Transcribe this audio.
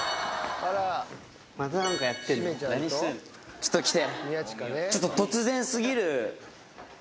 ちょっと来て。